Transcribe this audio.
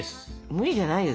無理じゃないよ。